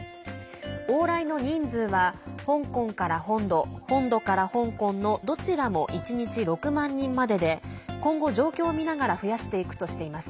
往来の人数は香港から本土本土から香港のどちらも１日６万人までで今後、状況を見ながら増やしていくとしています。